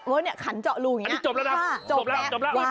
โอ๊ยเนี่ยขันเจาะรูอย่างนี้นะจบแล้วจบแล้วจบแล้วจบแล้วจบแล้วจบแล้ว